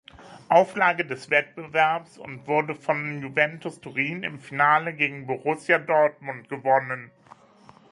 Auflage des Wettbewerbs und wurde von Juventus Turin im Finale gegen Borussia Dortmund gewonnen.